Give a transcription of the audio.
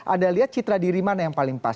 anda lihat citra diri mana yang paling pas